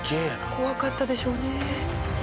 怖かったでしょうね。